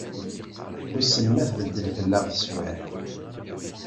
Wissen ma tbeddel fell-aɣ teswiɛt?